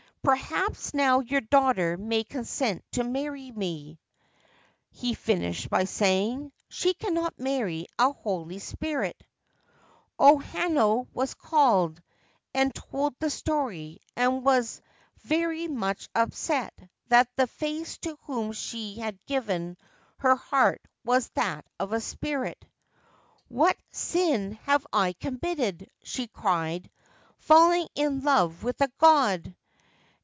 ' Perhaps now your daughter may consent to marry me/ he finished by saying. ' She cannot marry a holy spirit !' O Hanano was called, and told the story, and was very much ^u]3set_that the f%ce to whom she had given her heart was that of a spirit. ' What sin have I committed/ she cried, ' falling in love with a god